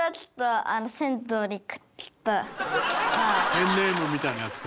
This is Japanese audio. ペンネームみたいなやつか。